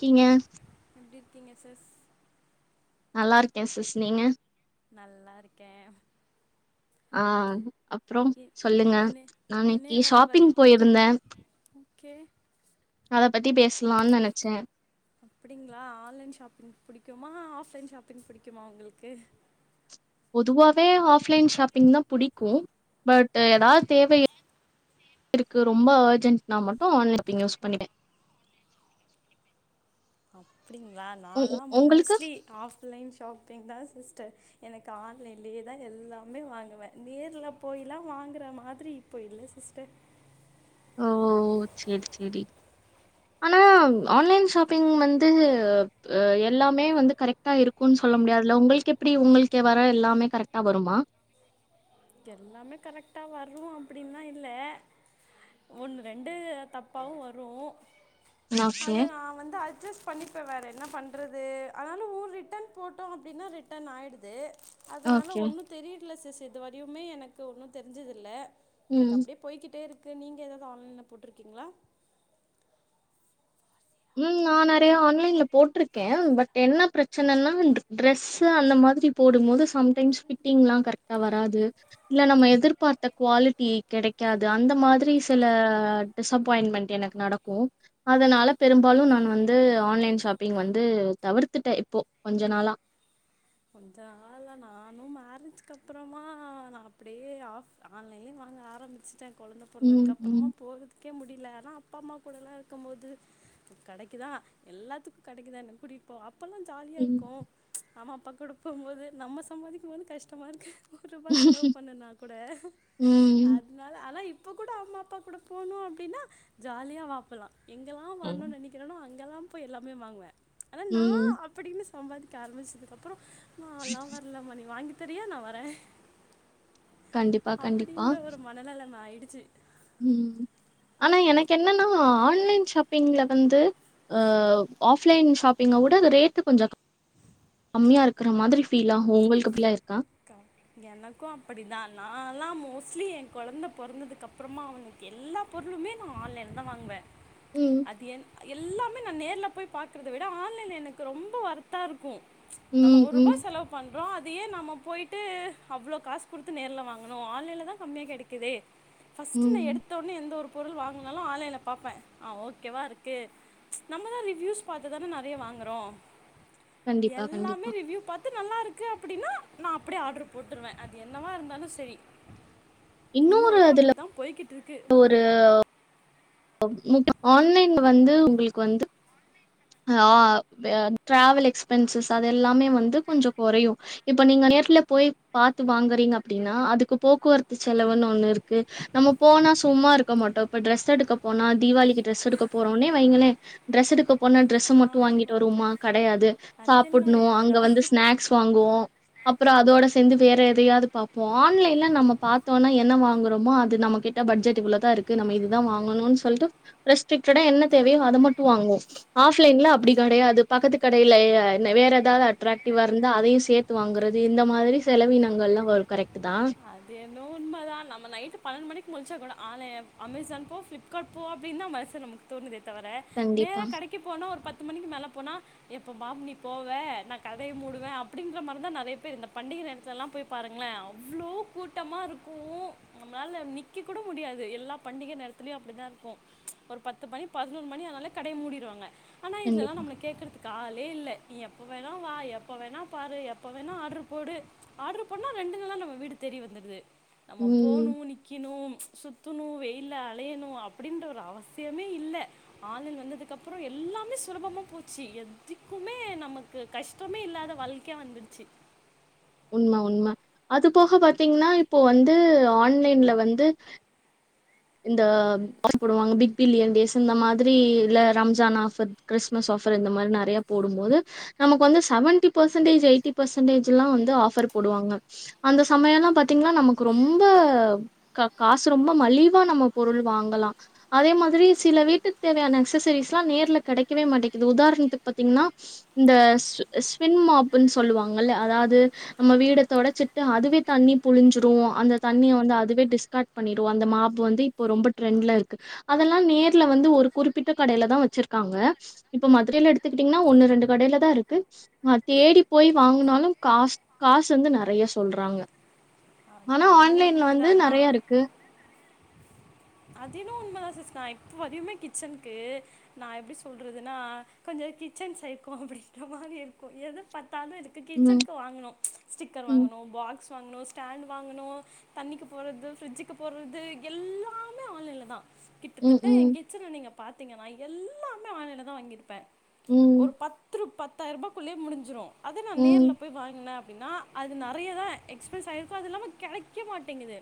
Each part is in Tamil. கீங்க எப்டி இருக்கீங்க சஸ் நல்லாருக்கே சிஸ் நீங்க நல்லாருக்கே ஆ அப்புற இ சொல்லுங்க இணை நா இன்னைக்கி இணையவழி ஷாப்பிங் போயிருந்த வர்த்தக்கு ஓகே அத பத்தி பேசலானு நெனைச்சே அப்டிங்களா ஆன்லைன் ஷாப்பிங் புடிக்குமா ஆஃப்லைன் ஷாப்பிங் புடிக்குமா உங்களுக்கு பொதுவாவே ஆஃப்லைன் ஷாப்பிங் தா புடிக்கும் பட் அப் ஏதாது தேவை [inaudible] இருக்கு ரொம்ப அர்ஜென்ட்னா மட்டு ஆன்லைன் ஷாப்பிங் யூஸ் பண்ணுவே அப்டிங்களா நாலா உ உங்களுக்கு மோஸ்ட்லி ஆஃப்லைன் ஷாப்பிங் தா சிஸ்டர் எனக்கு ஆன்லைன்லேயேதா எல்லாமே வாங்குவ நேர்ல போயில்லா வாங்குற மாதிரி இப்போ இல்ல சிஸ்டர் ஓ செரி செரி ஆனா ஆன்லைன் ஷாப்பிங் வந்து ஆ எல்லாமே வந்து கரெக்டா இருக்குன்னு சொல்ல முடியாதுல்ல உங்களுக்கு எப்பிடி உங்களுக்கு வர எல்லாமே கரெக்டா வருமா எல்லாமே கரெக்டா வரும் அப்பிடின்லா இல்ல ஒன்னு ரெண்டு தப்பாவு வரு ஓகே அத நா வந்து அட்ஜஸ் பண்ணிப்ப வேற என்ன பண்றது அதனால ஊ ரிட்டன் போட்டோ அப்டின்னா ரிட்டன் ஆயிடுது அதனால ஓகே ஒன்னு தெரியல சிஸ் இது வரியுமே எனக்கு ஒன்னு தெரிஞ்சது இல்ல ம் எனக்கு அப்டியே போயிக்கிட்டே இருக்கு நீங்க எதாவது ஆன்லைன்ல போட்ருக்கீங்களா ம் நா நெறைய ஆன்லைன்ல போட்ருக்கேன் பட் என்ன பிரச்சனன்னா இந்த டிரெஸ்ஸு அந்த மாரி போடும் போது சம்டைம்ஸ் ஃபிட்டிங்லாம் கரக்டா வராது இல்ல நம்ம எதிர்பார்த்த குவாலிட்டி கெடைக்காது அந்த மாதிரி சில டிசப்பாயிண்மென்ட் எனக்கு நடக்கும் அதனால பெரும்பாலு நான் வந்து ஆன்லைன் ஷாப்பிங் வந்து தவிர்த்துட்டேன் இப்போ கொஞ்ச நாளா கொஞ்ச நாளா நானு மேரேஜ்கப்புறமா நா அப்டியே ஆஃப் ஆன்லைன்லயே வாங்க ஆரம்பிச்சுட்ட கொழந்த ம் பொறந்ததுக்கு அப்புறமா ம் போகுது ருக்கே முடியல ஆனா அப்பா அம்மா கூட எல்லா இருக்கம் போது கடைக்குதா எல்லாத்துக்கு கடைக்குதா என்ன கூட்டிட் போவா அப்போல்லா ஜாலியா ம் இருக்கும் அம்மா அப்பா கூட போம்போது நம்ம சம்பாதிக்கும்போது கஷ்டமாக இருக்கு ஒர் ரூபா செலவு பண்ணுனா கூட ம் அதனால ஆனா இப் போ கூட அம்மா அப்பா கூட போணு அப்டின்னா ஜாலியா வா போலா எங்கெல்லா ம் வர்ணுன்னு நெனைக்கிறேனோ இங்கலாம் போய் எல்லாமே வாங்வே ஆனா ம் நான் அப்படின்னு சம்பாதிக்க ஆரம்பிச்சதுக்கப்புறோ நாலா வர்ல மா நீ வாங்கி தரியா நா வரே கண்டிப்பா கண்டிப்பா அப்படின்ற ஒரு மனநலம் ஆய்டுச்சு உம் ஆனா எனக் என்னன்னா ஆன்லைன் ஷாப் பிங்ல வந்து அவ் ஆஃப் லைன் ஷாப்பிங்க வுட ரேட்டு கொஞ்சக் கம்மியா இருக்ற மாதிரி ஃபீலாகு உங்கள்க்கு அப்பில்லா இருக்கா எனக்கு அப்படி தா நாலா மோஸ்லி என் கொழந்த பொறந்ததுக்கப்றமா அவ்னு எல்லா பொருளுமே நா ஆன்லைன் தா வாங்குவே ம். அது என் எல்லாமே நா நேர்ல போய் பாக்குறத விட ஆன்லைன் எனக்கு ரொம்ப வர்த்தா இருக்கு நம்ம ம், ஒரூபா ம், செலவ் பண்றோ அதையே நம்ம போய் அவ்ளோ காஸ் குடுத்து நேர்ல வாங்க்ணு ஆன்லைன்ல தா கம்மியா கிடைக்குதே ஃபஸ்ட்டு ந ம். எடுத் த்தவுட்னே எந்த ஒரு பொருள் வாங்குனாலு ஆன்லைன்ல பாப்பே ஆ ஓகேவாருக்கே நம்ம தா ரிவ்யூஸ் பாத்துதான நறையா வாங்குறோ கண்டிப்பா, எல்லாமே கண்டிப்பா. ரிவ்யூ பாத்து நல்லாருக்கு அப்படின்னா நாப் ப்டே ஆடர் போட்ருவே அது என்னவா இருந்தாலு சரி இன்ன வரையு அப்படித்தா போய்கிட்ருக்கு ஒரு அவ் முப் ஆன்லைன் வந்து உங்குள்க்கு வந்து ஹ ஆஆ வ ட்டிராவல் எக்ஸ்பென்சஸ் அது எல்லாமே வந்து கொஞ்சோ கொறையு இப்ப நீங்க நேர்ல போய் பாத்து வாங்குறீங் அப்டின்னா அதுக்கு போக்குவரத்து செலவுன்னு ஒண்ணு இருக்கு நம்ம போனா சும்மா இருக்க மாட்டோ இப்ப ட்ரெஸ் எடுக்க போனா தீவாவளிக்கு ட்ரஸ் எடுக்க போறோனே வைங்களே ட்ரெஸ் எடுக்க போனா ட்ரெஸ்ஸ மட்டு வாங்கிட்டு ஆமாம் வருவுமா கடையாது அதெல்லாம் சாப்புட்ணு அங்க உண்மைதான் வந்து ஸ்நாக்ஸ் வாங்குவோ அப்பறோ அதோட சேந்து வேற எதையாது பாப்போ ஆன்லைன்ல நம்ம பாத்தோனா என்ன வாங்குறோமோ அது நம்ம கிட் ட பட்ஜெட்டு குள்ள தா இருக்கு நம்ம இதுதா வாங்கணுன் சொல்ட்டு ரெஸ்ட்ரிக்டடா என்ன தேவையோ அத மட்டு வாங்குவோ ஆஃப்லைன்ல அப்டி கடையாதுப் பக்கத்து கடைய்ல யே என வேற் எதாவு அட்ராக்டிவா இருந்தா அதையு சேத்து வாங்குறது இந்த மாதிரி செலவினங்கள்லா வர் கரக்டு தா அதென்னோ உண்மதா நம்ம நைட்டு பன்னெண்டு மணிக்கு முல்ச்சா கூட ஆனேம் அமேசான் போ ஃபிலிப் காட் போ அப்டின்னா மாசு நமல்க் தோணுதே தவர கண்டிப்பா, நேரா கடைக்கி போனோ ஒரு பத்து மணிக்கு மேல போனா எப்ப பாம் நீ போவ நா கடைய மூடுவே அப்டிங்குற மாரி தா நறையா பேர் இந்த பண்டிக நேரத்துலலா போய் பாருங்களே அவ்ளோ கூட்டமா இருக்கூ நம்ளால நிக்க கூட முடியாது எல்லா பண்டிக நேரத்துலயு அப்படிதா இருக்கு ஒரு பத்து பணி பதினொரு மணி ஆனாலே கடைய மூடிருவாங்க ஆனா இதுலலா கண்டிப்பா. நம்மள கேக்குறத்துக் காலே இல்லே நீ எப்ப வேணா வா எப்ப வேணா பாரு எப்ப வேணா ஆட்ரு போடு ஆட்ரு பண்ணா ரெண்டு நாள்ள நம்ம வீடு தேடி வந்துடுது நம்ம ம். போனு நி க்கினு சுத்துணு வெயில்ல அலையணு அப்டின்ற ஒரு அவசியமே இல்ல ஆன்லைன் வந்ததுக்கப்றோ எல்லாமே சுலபமா போச்சி எத்திக்குமே நமக் கு கஷ்டமே இல்லாத வழ்க்யா வந்துட்ச்சி உண்ம உண்ம அது போக பாத்தீங்னா இப்போ வந்து ஆன்லைன்ல வந்து இந்த பாஸ் போடுவாங்க பிக் பில்லியன் டேஸ் இந்த மாதிரி இல்ல ரம்ஜான் ஆஃபர்த் க்றிஸ்மஸ் ஆஃபர் இந்த மாரி நறையா போடும்போது நமக்கு வந்து சவன்டி பர்சன்டேஜ் எய்ட்டி பர்சன்டேஜ்ஜுல்லா வந்து ஆஃபர் போடுவாங்க அந்த சமயலா பாத்தீங்னா நமக்கு ரொம்ப க காசு ரொம்ப மலிவ் வா நம்ம பொருள் வாங்கலா அதே மாதிரி சில வீட்டுக் தேவையான எக்ஸசரிஸ்லா நேர்ல கெடைக்கவே மாட்டேக்குது உதார்ணத்துக் பாத்தீங்னா இந்த ஸ் ஸ்வின் மாப்ன்னு சொல்லுவாங்கல்ல அதாவது நம்ம வீட தொடச்சிட்டு அதுவே தண்ணி புழிஞ்சிரு அந்த தண்ணிய வந்து அதுவே டிஸ்ராக்ட் பண்ணிரு அந்த மாப் பு வந்து இப்ப ரொம்ப ட்ரெண்ட்ல இருக்கு அதெல்லா நேர்ல வந்து ஒரு குறிப்பிட்ட கடையில தா வெச்சிருக்காங்க இப்போ மதுரையில எடுத்துக்கிட்டீங்கன்னா ஒண்ணு ரெண்டு கடையில தா இருக்கு நா தேடி போய் வாங்குனாலு காசு காசு வந்து நெறைய சொல்றாங்க ஆனா அதென்னமோ ஆன்லைன்ல உண்மதா வந்து நா நெறைய இருக்கு அதென்னமோ உண்மதா சிஸ் நா இப்ப வரையுமே கிச்சன்க்கு நா எப்டி சொல்றதுனா கொஞ்சோ கிச்சன் சைக்கோ அப்டின்ற மாரி இருக்கு எத பத்தாலு எனக் ம் கிச்சன்க்கு வாங்கனு ஸ்டிக்கர் ம் வாங்கணு பாக்ஸ் வாங்கனு ஸ்டாண்ட் வாங்கனு தண்ணிக்கு போட்றது பிர்ஜுக்கு போட்றது எல்லா ஆன்லைன்ல தா ம் கிட்டத்தட்ட ஏ ம் கிச்சனல நீங்க பாத்தீங்கனா எல்லாமே ஆன்லைன்ல தா வாங்கி இருப்பே ம் ஒரு பத்துரு பத்தாயி ரூபாய்க்குள்ளே முடிஞ்சுரு அதே நா நேர்ல ம் போய் வாங்குனே அப்டின்னா அது நெறைய தா எக்ஸ்பென்ஸ் ஆகிருக்கு அது இல்லாம கெடைக்க மாட்டேங்குது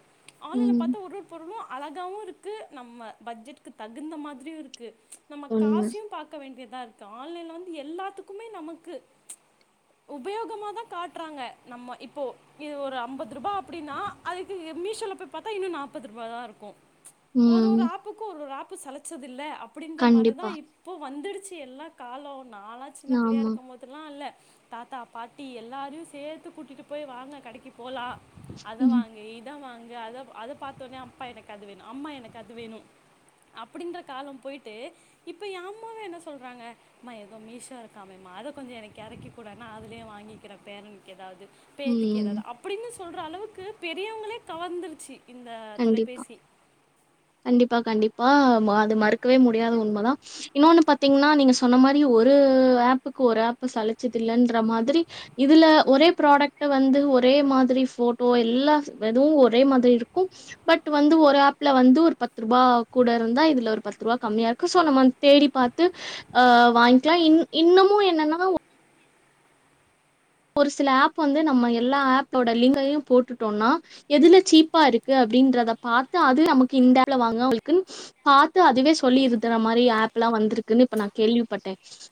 ஆன்லைன்ல ம் பாத்தா ஒர் ஒரு பொருளு அழகாவு இருக்கு நம்ம பட்ஜெட்க்கு தகுந்த மாத்ரியு இருக்கு நம்ம உண்ம காசயு பாக்க வேண்டியதா இருக்கு ஆன்லைன்ல வந்து எல்லாத்துக்குமே நமக்கு உபயோகமா தா காட்றாங்க நம்ம இப்போ இது ஒரு அம்பது ரூபா அப்டின்னா அதுக்கு மீஷோல போய் பாத்தா இன்னு நாப்பது ரூபா தா இருக்கு ஒரு ம் ஒரு ஆப்புக்கு ஒரு ஒரு ஆப்பு சலிச்சதில்ல அப்டின்ற மாரிதா கண்டிப்பா இப் இப்போ வந்துரிச்சு எல்லா காலோ நால்லா சின்ன பிள்ளையா ஆமா இருக்கும் போது [unintelligible] இல்ல தாத்தா பாட்டி எல்லாரையு சேத்து கூட்டிட்டு போயி வாங்க கடைக்கு போலா அத ம் வாங்கு இத வாங்கு அத பாத்தோன அப்பா எனக்கு அது வேணு அம்மா எனக்கு அது வேணு அப்டின்ற காலம் போயிட்டு இப்ப ஏ அம்மாவே என்ன சொல்றாங்க ம்மா எதோ மீஷோ இருக்காமேம்மா அத கொஞ்சோ எனக்கு எறக்கி கூடோ நா அதுலேயே வாங்கிக்கிறே பேரனுக்கு எதாவது பேத்திக்கு ம் எதாவது அப்டின்னு சொல்ற அளவுக்கு பெரியவங்களே கவர்ந்திருச்சு இந்த கண்டிப்பா தொலைபேசி கண்டிப்பா கண்டிப்பா மா அது மறுக்கவே முடியாத உண்மதா இன்னொன்னு பாத்தீங்கனா நீங்க சொன்ன மாரி ஒரு ஆப்புக்கு ஒரு ஆப்பு சலிச்சதில்லன்ற மாதிரி இதுல ஒரே புராடெக்ட்ட வந்து ஒரே மாதிரி போட்டோ எல்லா எதுவு ஒரே மாதிரி இருக் கு பட் வந்து ஒரு ஆப்ல வந்து ஒரு பத்து ரூபா கூட இருந்தா இதுல ஒரு பத்து ரூபா கம்மியா இருக்கு சோ நம்ம தேடி பாத்து ஆ வாங்கிக்லா இன்னமு என்னன்னா ஒரு சில ஆப் வந்து நம்ம எல்லா ஆப்போட லிங்கையு போட்டுட்டோனா எதுல சீப்பா இருக்கு அப்டின்றத பாத்து அது நமக்கு இந்த ஆப் வாங்க உங்களுக்கு பாத்து அதுவே சொல்லிருது இந்த மாரி ஆப்லா வந்திருக்குனு இப்ப நா கேள்விப்பட்ட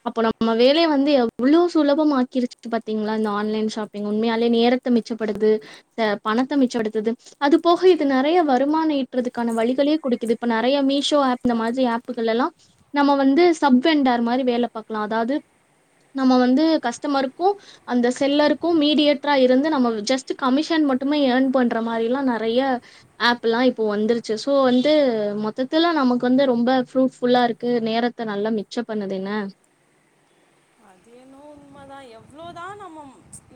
அப்போ நம்ம வேலய வந்து எவ்ளோ சுலபமாக்கிருச்சு பாத் தீங்களா இந்த ஆன்லைன் ஷாப்பிங் உண்மயாலே நேரத்த மிச்சப்படுது பணத்த மிச்சப்படுத்துது அது போக இது நெறய வருமான ஈட்டுறதுக்கான வழிகளையு குடுக்குது இப்ப நெறய மீஷோ ஆப் இந்த மாரி ஆப்புக எல்லா நம்ம வந்து சப் வெண்டார் மாரி வேல பாக்கலா அதாது நம்ம வந்து கஷ்டமருக்கு அந்த செல்லருக்கு மீடியேட்ரா இருந்து நம்ம ஜஸ்ட் கமிஷன் மட்டுமே ஏர்ன் பண்ற மாரிலா நெறய ஆப்ல்லா இப்போ வந்துருச்சு சோ வந்து மொத்தத்துல நமக்கு வந்து ரொம்ப ப்ரூட்ஃபுல இருக்கு நேர த்த நல்லா மிச்ச பண்ணது என்ன அது என்னவோ உண்மதா எவ்ளோதா நம்ம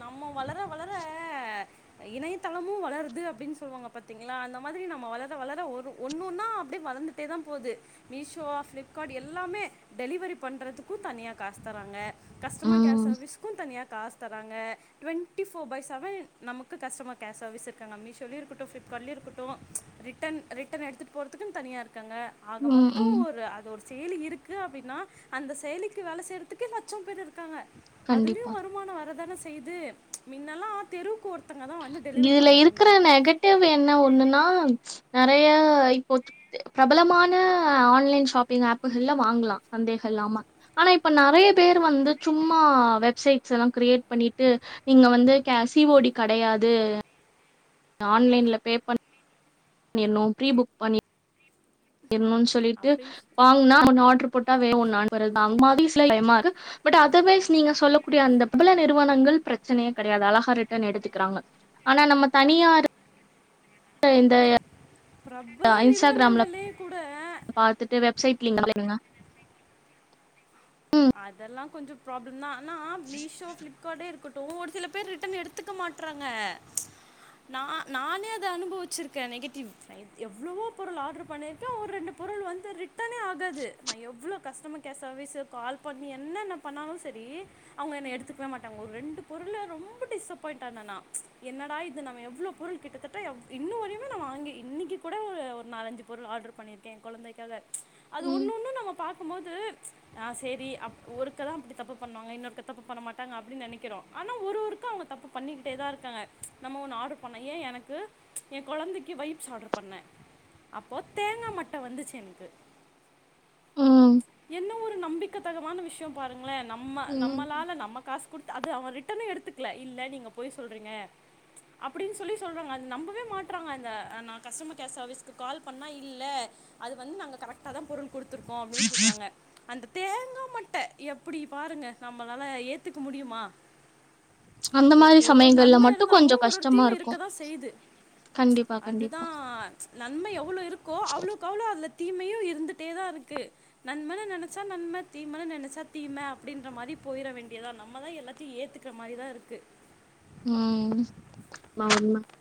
நம்ம வளர வளர இணயத்தளமு வளருது அப்டினு சொல்லுவாங்க பாத்தீங்களா அந்த மாதிரி நம்ம வளர வளர ஒரு ஒன்னு ஒன்னா அப்டியே வளர்ந்து ட்டே தா போது மீஷோ ப்ளிப்கார்ட் எல்லாமே டெலிவரி பண்றதுக்கு தனியா காசு தராங்க கஷ்டமர் கேர் ம். சர்வீசுக்கு தனியா காசு தராங்க டுவெண்டி ஃபோர் பை செவன் நமக்கு கஸ்டமர் கேர் சர்வீஸ் இருக்காங்க மீஷோலியோ இருக்குட்டு ஃப்ளிப்கார்ட்லியு இருக்க ட்டோ ரிட்டன் ரிட்டன எடுத்துட்டு போறதுக்கு தனியா இருக்காங்க ஆக ம், மொத்தோ ம். ஒரு அது ஒரு செய்லி இருக்கு அப்டினா அந்த செய்லிக்கு வேல செய் ரத்துக்கே லட்ச பேர் இருக்காங்க கண்டிப்பா. அதுலயு வருமானோ வரதான செய்து மின்னலா தெருக்கு ஒருத்தங்க தா வந்துட் இதுல இருக்குற நெகட்டிவ் என்ன ஒண்ணுன்னா நெறைய இப்போ ப்ரபலமான ஆன்லைன் ஷாப்பிங் ஆப்புகள்ல வாங்கலா சந்தேக இல்லாம ஆனா இப்ப நெறைய பேர் வந்து சும்மா வெப்சைட்ஸ்லா கிரியேட் பண்ணிட்டு நீங்க வந்து க சி ஓ டி கெடையாது ஆன்லைன்ல பே பண் ணிர்னு ப்ரீ புக் பண்ணி இன்னோன்னு சொல்லிட்டு அப்படின்னு சொல்லி வாங்குனா ஒன்னு ஆட்ரு போட்டா வேர ஒன்னு [inaudible] வருது அத மாரி சில டைம்மாக்கு பட் அதர்வைஸ் நீங்க சொல்லக்கூடிய அந்த பிரபல நிறுவனங்கள் ப்ரச்சனையே கடையாது அழகா ரிட்டர்ன் எடுத்துக்குறாங்க ஆனா நம்ம தனியா [inaudible] இந்த ப்ரப்பல இன்ஸ்டாகிராம்ல நிறுவனங்கலே கூட பாத்துட்டு வெப்சைட் லிங்க் அப்ளே பண்ணுங்க அதெலா கொஞ்சோ ப்ராப்ளம் தா ஆனா மீஷோ பிளிப்கார்டே இருக்க ட்டு ஒரு சில பேர் ரிட்டன் எடுத்துக்க மாட்றாங்க நா நானே அத அனுபவிச்சிருக்கே நெகட்டிவ் எவ்ளவோ பொருள் ஆர்டர் பண்ணிருக்கே ஒரு ரெண்டு பொருள் வந்து ரிட்டனே ஆகாது நா எவ்ளோ கஸ்டம கேர் சர்வீசு கால் பண்ணி என்னென்ன பண்ணாலு செரி அவுங்க என்ன எடுத்துக்கவே மாட்டாங்க ஓர் ரெண்டு பொருள ரொம்ப டிஸபாயிண்டா ஆனா நா என்னட இது நம்ம எவ்ளோ பொருள் கிட்டத் தட்ட எவ் இன்ன வரயுமே நா வாங்கி இன்னக்கி கூட ஒரு ஒரு நாலஞ்சு பொருள் ஆர்டர் பண்ணியிருக்கே எ கொழந்தைக்காக அது ம் ஒண்ணு ஒண்ணு நம்ம பாக்குமோது ஆ செரி அப் ஒருக்க தா அப்டி தப்பு பண்ணுவாங்க இன்னொருக்கா தப்பு பண்ண மாடாங்க அப்டின் நெனைக்கிறோ ஆனா ஒரு ஒருக்கா அவுங்க தப்பு பண்ணிக்கிடே தா இருக்காங்க நம்ம ஒன்னு ஆடர் பண்னோ ஏ எனக்கு எ கொழந்தைக்கு வைப்ஸ் ஆடர் பண்ண அப்போ தேங்கா மட்ட வந்துச்சு எனக்கு ம் என்ன ஒரு நம்பிக்க தகமான விஷ்யோ பாருங்களே நம்ம ம் நம்மளால நம்ம காசு குடுத்து அது அவ ரிட்டனே எடுத்துக்கல இல்ல நீங்க பொய் சொல்றீங்க அப்டின்னு சொல்லி சொல்றாங்க அ நம்பவே மாட்டுறாங்க அந்த நா கஸ்டமர் கேர் சர்வீஸ்க்கு கால் பண்ணா இல்ல அது வந்து நாங்க கரெக்டா தா பொருள் குடுத்துருக்கோ அப்டி சொல்றாங்க அந்த தேங்கா மட்ட எப்டி பாருங்க நம்பளால ஏத்துக்க முடியுமா அந்த ஒ மாரி ஒரு ஒரு சமயங்கள்ல நன்ம மட்டு இருந்தாலு கொஞ்சோ ஒரு ஒரு கஷ்டமா தீம இருக்கு இருக்கதா செய்து கண்டிப்பா அதுதா கண்டிப்பா நன்மை எவ்ளோ இருக்கோ அவ்ளோக் அவ்ளோ அதுல தீமயு இருந்துட்டே தா இருக்கு நன்மனு நென ச்சா நன்ம தீமன்னு நெனச்சா தீம அப்டின்ற மாரி போயிர வேண்டியத நம்ம தா எல்லாத்தயு ஏத்துக்ற மாரி தா இருக்கு ம் [unintelligible]